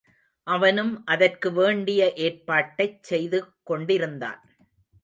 அவனும் அதற்கு வேண்டிய ஏற்பாட்டைச் செய்து கொண்டிருந்தான்.